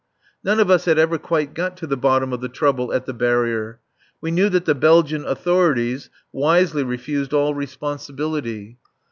None of us had ever quite got to the bottom of the trouble at the barrier. We know that the Belgian authorities wisely refused all responsibility.